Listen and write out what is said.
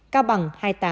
cao bằng hai mươi tám